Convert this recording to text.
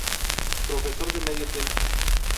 Profesor de Medio Tiempo